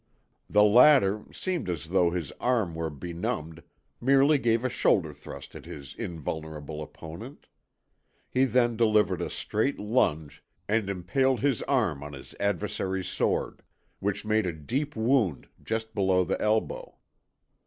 The latter seemed as though his arm were benumbed, merely gave a shoulder thrust at his invulnerable opponent. He then delivered a straight lunge and impaled his arm on his adversary's sword, which made a deep wound just below the elbow.